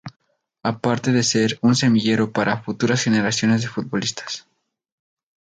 Aparte de ser un semillero para futuras generaciones de futbolistas.